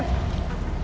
itu dia masalahnya cit